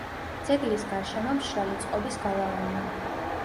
ძეგლის გარშემო მშრალი წყობის გალავანია.